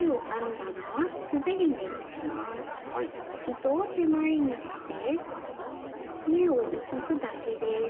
糸を手前にして目を移すだけです。